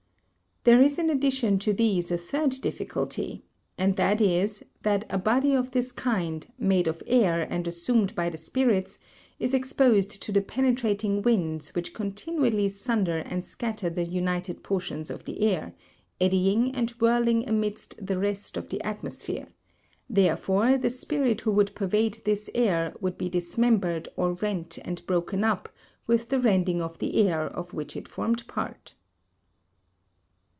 There is in addition to these a third difficulty, and this is that a body of this kind, made of air and assumed by the spirits, is exposed to the penetrating winds which continually sunder and scatter the united portions of the air, eddying and whirling amidst the rest of the atmosphere; therefore the spirit who would pervade this air would be dismembered or rent and broken up with the rending of the air of which it formed part.